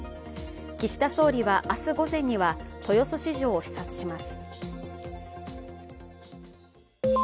岸田総理は明日午前には豊洲市場を視察します。